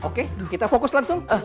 oke kita fokus langsung